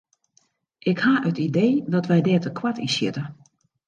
Ik ha it idee dat wy dêr te koart yn sjitte.